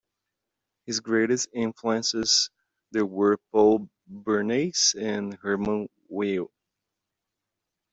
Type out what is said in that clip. His greatest influences there were Paul Bernays and Hermann Weyl.